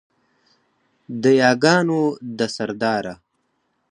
د یاګانو ده سرداره